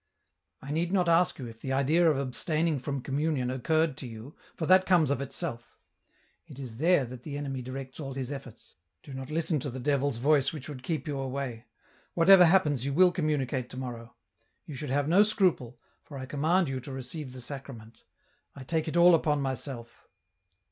" I need not ask you if the idea of abstaining from com munion occurred to you, for that comes of itself ; it is there that the enemy directs all his efforts. Do not listen to the devil's voice which would keep you away ; whatever happens you will communicate to morrow. You should have no scruple, for I command you to receive the Sacrament ; I take it all upon myself.